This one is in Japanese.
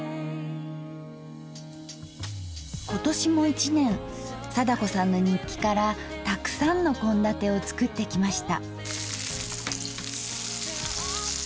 今年も一年貞子さんの日記からたくさんの献立を作ってきました。